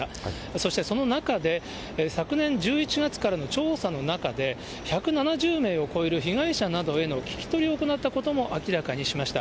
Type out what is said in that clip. そしてその中で、昨年１１月からの調査の中で、１７０名を超える被害者などへの聞き取りを行ったことも明らかにしました。